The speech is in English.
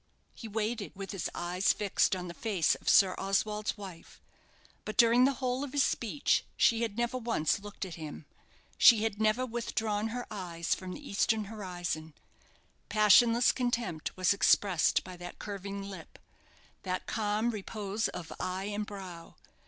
He waited, with his eyes fixed on the face of Sir Oswald's wife. But during the whole of his speech she had never once looked at him. She had never withdrawn her eyes from the eastern horizon. Passionless contempt was expressed by that curving lip, that calm repose of eye and brow.